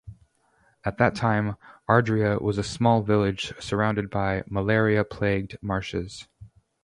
At that time Adria was a small village surrounded by malaria-plagued marshes.